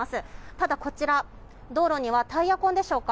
ただ、こちら道路にはタイヤ痕でしょうか。